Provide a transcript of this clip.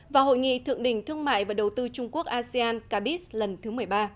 và hội nghị thượng đỉnh thương mại và đầu tư trung quốc asean cabis lần thứ một mươi ba